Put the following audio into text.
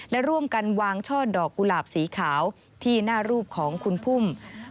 และร่วมกันวางช่อดอกกุหลาบสีขาวที่หน้ารูปของคุณพุ่ม